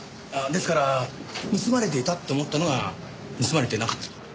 ですから盗まれていたと思ったのが盗まれてなかったと。